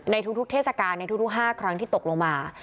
ในทุกเทศกาลในทุก๕ครั้งที่ตกลงมา